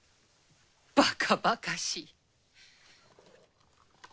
バカバカしい。